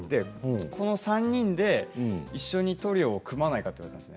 この３人で一緒にトリオを組まないかというんです。